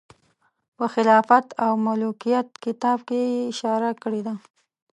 په خلافت او ملوکیت کتاب کې یې اشاره کړې ده.